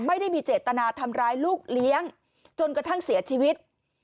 ไม่ได้มีเจตนาทำร้ายลูกเลี้ยงจนกระทั่งเสียชีวิต